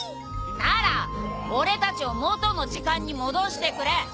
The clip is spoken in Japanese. なら俺たちを元の時間に戻してくれ。